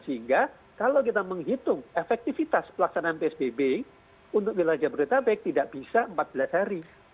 sehingga kalau kita menghitung efektivitas pelaksanaan psbb untuk wilayah jabodetabek tidak bisa empat belas hari